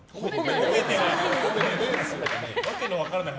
褒めてないです。